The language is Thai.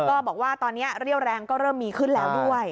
ก็บอกว่าตอนนี้เรี่ยวแรงก็เริ่มมีขึ้นแล้วด้วย